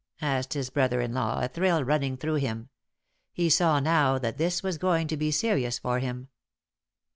asked his brother in law, a thrill running through him. He saw now that this was going to be serious for him.